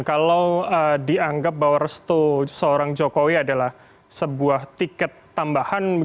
kalau dianggap bahwa resto seorang jokowi adalah sebuah tiket tambahan